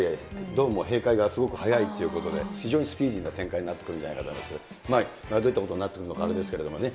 やっぱりドームも閉開がすごくはやいということで、非常にスピーディーな展開になってくるんじゃないかと思いますけれども、どういったことになってくるのかあれですけどもね。